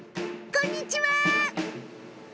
こんにちは。